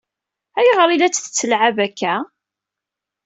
Ayɣer i la tt-tettlɛab akka?